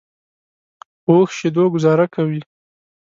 په اوښ شیدو ګوزاره کوي.